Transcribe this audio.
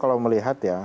kalau melihat ya